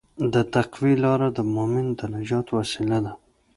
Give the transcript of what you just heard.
د تقوی لاره د مؤمن د نجات وسیله ده.